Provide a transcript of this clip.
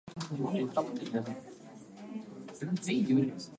この紅茶はスリランカ産の茶葉を日本の茶葉とブレンドしたものなんだ。